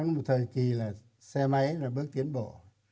một thời kỳ là xe máy là bước tiến bộ